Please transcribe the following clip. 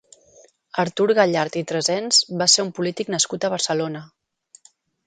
Artur Gallard i Tresens va ser un polític nascut a Barcelona.